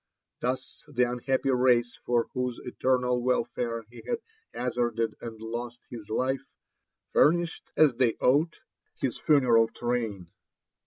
Thus the .unhappy race for whose eternal welfare he had hazafrded and lost his life, furnished, as they ought, his funeral train.